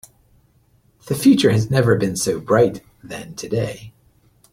The future has never been so bright than today.